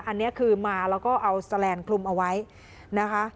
อันนี้คือมาแล้วก็เอาแสลนด์คลุมเอาไว้นะคะ